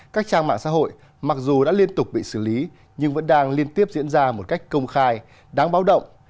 các trang mạng xã hội mặc dù đã liên tục bị xử lý nhưng vẫn đang liên tiếp diễn ra một cách công khai đáng báo động